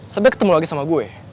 sampai ketemu lagi sama gue